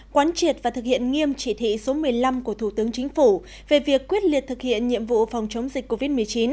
quán triệt và thực hiện nghiêm chỉ thị số một mươi năm của thủ tướng chính phủ về việc quyết liệt thực hiện nhiệm vụ phòng chống dịch covid một mươi chín